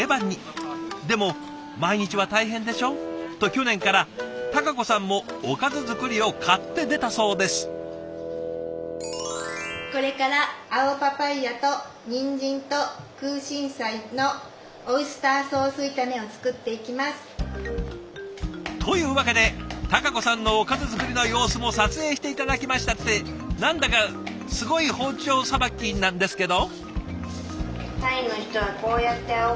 でも「毎日は大変でしょ？」と去年から多佳子さんもおかず作りを買って出たそうです。というわけで多佳子さんのおかず作りの様子も撮影して頂きましたって何だかすごい包丁さばきなんですけど？